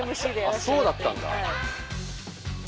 あそうだったんだ。